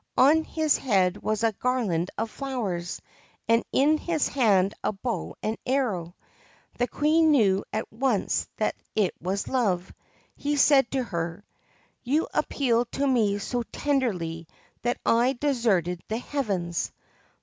On his head was a garland of flowers, and in his hand a bow and arrow. The Queen knew at once that it was Love. He said to her :' You appeal to me so tenderly that I deserted the heavens.'